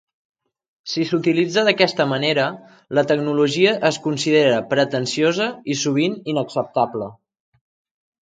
Si s'utilitza d'aquesta manera, la tecnologia es considera pretensiosa i sovint inacceptable.